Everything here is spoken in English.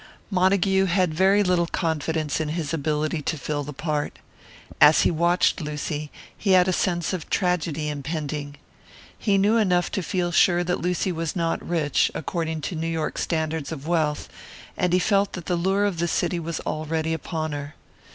Montague had very little confidence in his ability to fill the part. As he watched Lucy, he had a sense of tragedy impending. He knew enough to feel sure that Lucy was not rich, according to New York standards of wealth; and he felt that the lure of the city was already upon her.